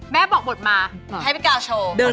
แม่บอกหมวดมาให้พี่ก้าวโชว์